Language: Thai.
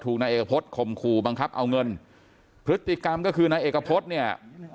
นายเอกพฤษข่มขู่บังคับเอาเงินพฤติกรรมก็คือนายเอกพฤษเนี่ย